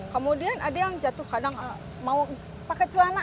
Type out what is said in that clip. kemudian ada yang jatuh kadang mau pakai celana